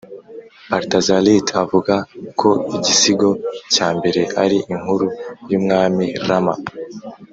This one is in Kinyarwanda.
parthasarathy avuga ko igisigo cya mbere ari inkuru y’“umwami rama